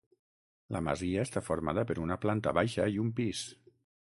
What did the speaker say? La masia està formada per una planta baixa i un pis.